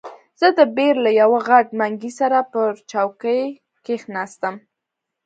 زه د بیر له یوه غټ منګي سره پر چوکۍ کښېناستم.